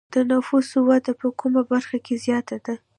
د نفوسو وده په کومه برخه کې زیاته ده؟